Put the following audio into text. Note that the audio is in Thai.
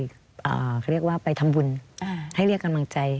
เขาเรียกว่าไปทำบุญให้เรียกกำลังใจ